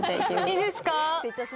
いいですか？